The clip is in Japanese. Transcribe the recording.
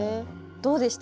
どうでした？